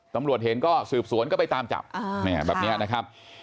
ตำรวจเห็นก็สืบสวนก็ไปตามจับแบบนี้นะครับ